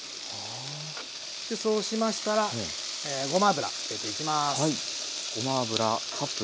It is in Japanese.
そうしましたらごま油入れていきます。